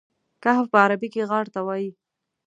کهف په عربي کې غار ته وایي.